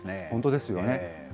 本当ですよね。